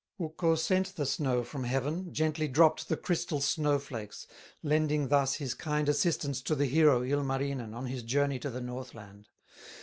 Ukko sent the snow from heaven, Gently dropped the crystal snow flakes, Lending thus his kind assistance To the hero, Ilmarinen, On his journey to the Northland.